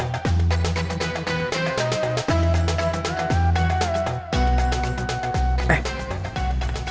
saya juga ngantuk